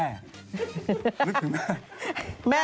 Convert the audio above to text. นึกถึงแม่